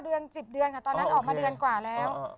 เดือน๑๐เดือนค่ะตอนนั้นออกมาเดือนกว่าแล้ว